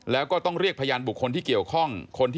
แล้วก็ต้องเรียกพยานบุคคลที่เกี่ยวข้อง